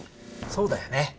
そうだよね。